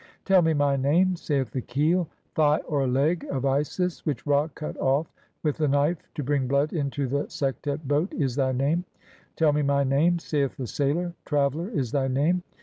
"Tell me my name," saith the Keel ; "Thigh (or Leg) of Isis, "which Ra cut off with the knife (26) to bring blood into the "Sektet boat," is thy name. "Tell me my name," saith the Sailor; "Traveller" is thy name.